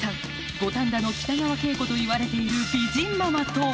五反田の北川景子といわれている美人ママとは？